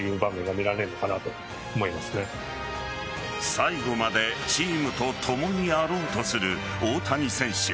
最後までチームと共にあろうとする大谷選手。